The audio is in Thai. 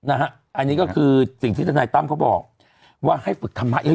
นะฮะอันนี้ก็คือสิ่งที่ทนายตั้มเขาบอกว่าให้ฝึกธรรมะเยอะ